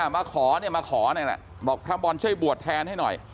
มาขอเนี่ยมาขอนี่แหละบอกพระบอลช่วยบวชแทนให้หน่อย